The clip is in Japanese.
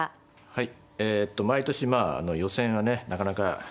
はい。